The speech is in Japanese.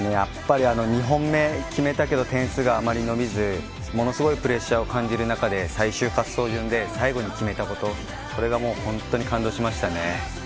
やっぱり２本目決めたけれど点数があまり伸びず、ものすごいプレッシャーを感じる中で、最終滑走順で最後に決めたことが本当に感動しましたね。